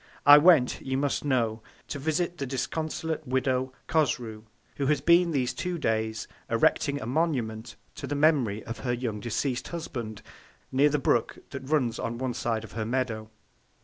I went, you must know, to visit the disconsolate Widow Cosrou, who has been these two Days erecting a Monument to the Memory of her young deceased Husband, near the Brook that runs on one side of her Meadow.